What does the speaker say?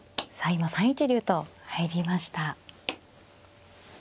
今３一竜と入りました。